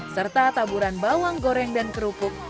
serta taburan bawang goreng dan kerupuk